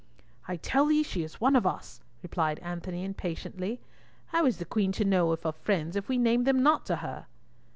"I tell thee, she is one of us," replied Antony impatiently. "How is the Queen to know of her friends if we name them not to her?"